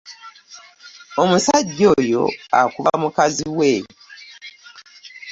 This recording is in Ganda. Omusajja oyo akuba mukazi we.